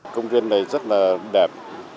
công viên này rất là đẹp